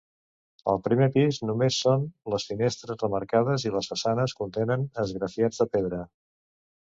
Al primer pis només són les finestres remarcades i les façanes contenen esgrafiats de pedra.